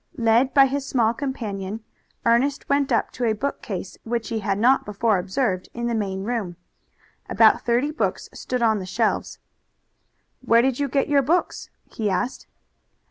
Led by his small companion Ernest went up to a bookcase which he had not before observed in the main room. About thirty books stood on the shelves. "Where did you get your books?" he asked.